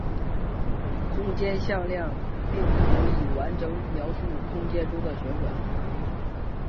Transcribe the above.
空间向量并不足以完整描述空间中的旋转。